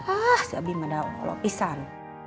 ah si abi madaw allah pisan